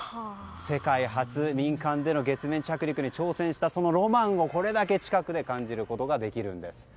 世界初、民間での月面着陸に挑戦した、そのロマンをこれだけ近くで感じることができるんです。